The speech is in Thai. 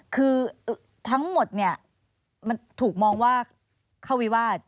คือทั้งหมดเนี่ยมันถูกมองว่าเข้าวิวาส